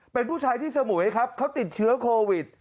เป็นผู้ชายที่สมุยครับเขาติดเชื้อโควิด